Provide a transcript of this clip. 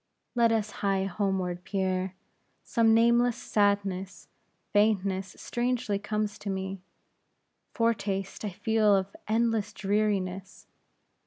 "Let us hie homeward, Pierre. Some nameless sadness, faintness, strangely comes to me. Foretaste I feel of endless dreariness.